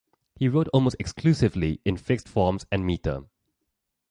He wrote almost exclusively in fixed forms and meter.